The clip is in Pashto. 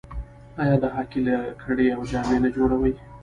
آیا د هاکي لکړې او جامې نه جوړوي؟